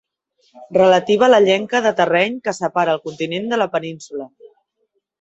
Relativa a la llenca de terreny que separa el continent de la península.